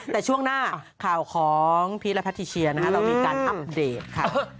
แต่ช่วงหน้าข่าวของพีชและแพทิเชียเรามีการอัปเดตค่ะ